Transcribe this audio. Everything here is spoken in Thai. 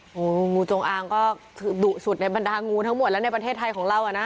โอ้โหงูจงอางก็คือดุสุดในบรรดางูทั้งหมดแล้วในประเทศไทยของเราอ่ะนะ